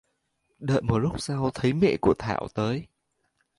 Đợi một lúc sau thấy mẹ của Thảo tới